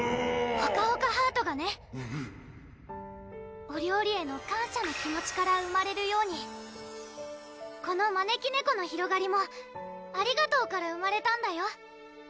ほかほかハートがねお料理への感謝の気持ちから生まれるようにこの招き猫の広がりも「ありがとう」から生まれたんだよ